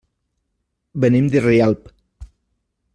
Venim de Rialp.